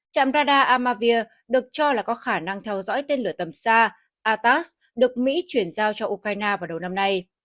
trạm radar amavier được cho là có khả năng theo dõi tên lửa tầm xa atas được mỹ chuyển giao cho ukraine vào đầu năm nay